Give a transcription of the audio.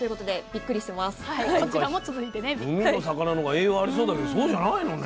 なんか海の魚の方が栄養ありそうだけどそうじゃないのね。